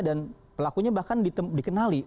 dan pelakunya bahkan dikenali